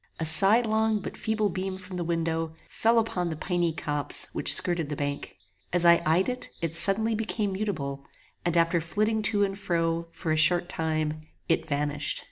A sidelong but feeble beam from the window, fell upon the piny copse which skirted the bank. As I eyed it, it suddenly became mutable, and after flitting to and fro, for a short time, it vanished.